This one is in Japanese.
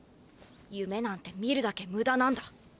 ゆめなんて見るだけむだなんだ。